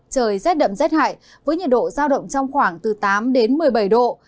trời rất đậm rất hại với nhiệt độ giao động trong khoảng từ tám đến một mươi bảy độ